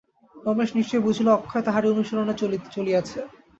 রমেশ নিশ্চয় বুঝিল, অক্ষয় তাহারই অনুসরণে চলিয়াছে।